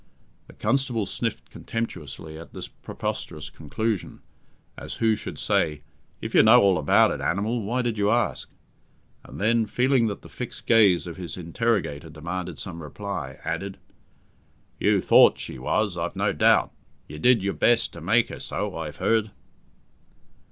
The constable sniffed contemptuously at this preposterous conclusion, as who should say, "If you know all about it, animal, why did you ask?" and then, feeling that the fixed gaze of his interrogator demanded some reply, added, "You thort she was, I've no doubt. You did your best to make her so, I've heard."